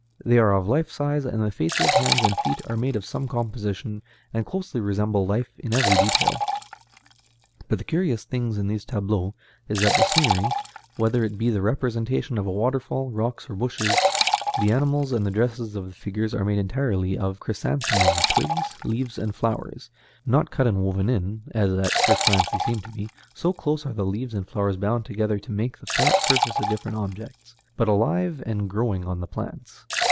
They are of life size, and the faces, hands, and feet are made of some composition, and closely resemble life in every detail. But the curious thing in these tableaux is that the scenery, whether it be the representation of a waterfall, rocks, or bushes, the animals, and the dresses of the figures are made entirely of chrysanthemum twigs, leaves, and flowers, not cut and woven in, as at the first glance they seem to be, so closely are the leaves and flowers bound together to make the flat surface of different objects, but alive and growing on the plants.